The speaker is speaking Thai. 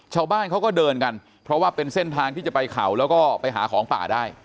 ชาวบ้านเขาก็เดินกันเพราะว่าเป็นเส้นทางที่จะไปเขาแล้วก็ไปหาของป่าได้